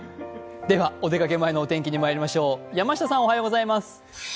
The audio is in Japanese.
ではお出かけ前のお天気にまいりましょう。